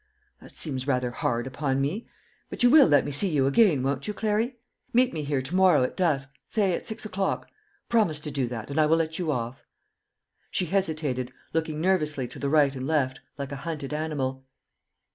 "That seems rather hard upon me. But you will let me see you again, won't you, Clary? Meet me here to morrow at dusk say at six o'clock. Promise to do that, and I will let you off." She hesitated, looking nervously to the right and left, like a hunted animal.